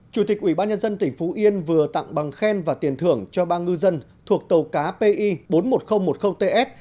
chủ tịch ủy ban nhân dân tỉnh phú yên vừa tặng bằng khen và tiền thưởng cho ba ngư dân thuộc tàu cá pi bốn mươi một nghìn một mươi ts